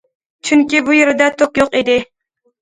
چۈنكى بۇ يەردە توك يوق ئىدى.